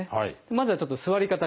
まずはちょっと座り方から。